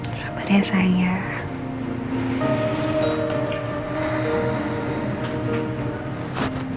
selamat ya sayang